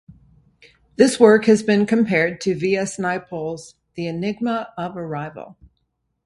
This work has been compared to V. S. Naipaul's "The Enigma of Arrival".